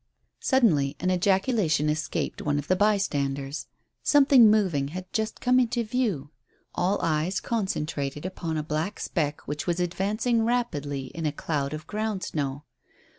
Suddenly an ejaculation escaped one of the bystanders. Something moving had just come into view. All eyes concentrated upon a black speck which was advancing rapidly in a cloud of ground snow.